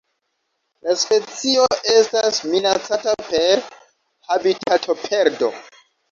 La specio estas minacata per habitatoperdo.